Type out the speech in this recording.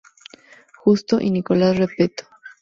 Justo y Nicolás Repetto.